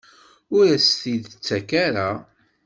Ur as-t-id-tettak ara?